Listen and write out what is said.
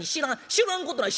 知らんことない。